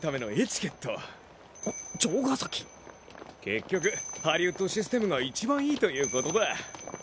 結局ハリウッドシステムが一番いいということだ。